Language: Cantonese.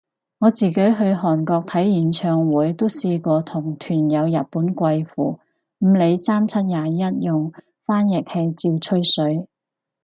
我自己去韓國睇演唱會都試過同團有日本貴婦，唔理三七廿一用翻譯器照吹水